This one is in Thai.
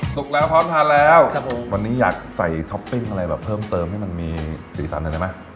สุกแล้วพร้อมผ่านแล้วครับคุณผู้กลุ่มบนเองครับวันนี้อยากใส่ท็อปปิ้งอะไรครับเพิ่มจะมี๓๔นิดหนึ่งได้มั้ย